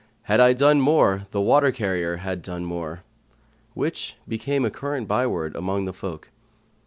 had I done more the water carrier had done more";—which became a current byword among the folk.